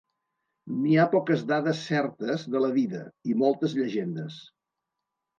N'hi ha poques dades certes de la vida, i moltes llegendes.